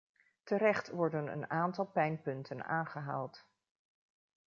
Terecht worden een aantal pijnpunten aangehaald.